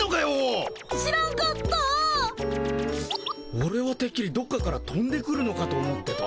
オレはてっきりどっかからとんでくるのかと思ってた。